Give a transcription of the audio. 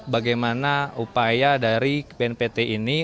bagaimana upaya dari bnpt ini